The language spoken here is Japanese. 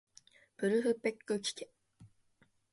ブルフペックきけ